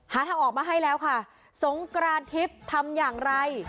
หาทางออกมาให้แล้วค่ะสงกรานทิพย์ทำอย่างไร